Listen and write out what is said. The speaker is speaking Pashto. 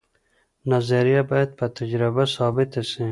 نظریه باید په تجربه ثابته سي.